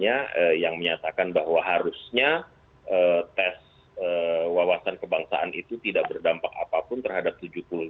yang menyatakan bahwa harusnya tes wawasan kebangsaan itu tidak berdampak apapun terhadap tujuh puluh lima